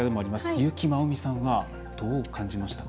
優木まおみさんはどう感じましたか？